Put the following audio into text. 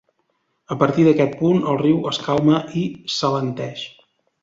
A partir d'aquest punt el riu es calma i s'alenteix.